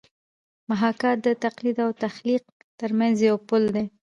محاکات د تقلید او تخلیق ترمنځ یو پل دی